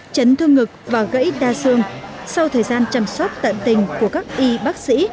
chấn thương ngực và gãy đa xương sau thời gian chăm sóc tận tình của các y bác sĩ